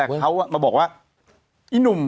แต่เขาอ่ะเนี่ยมาบอกว่านุ่ม